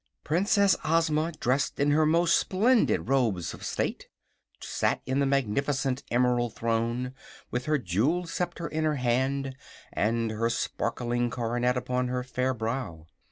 Princess Ozma, dressed in her most splendid robes of state, sat in the magnificent emerald throne, with her jewelled sceptre in her hand and her sparkling coronet upon her fair brow.